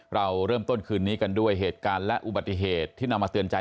เราเริ่มต้นคืนนี้กันด้วยเหตุการณ์และอุบัติเหตุที่นำมาเตือนใจ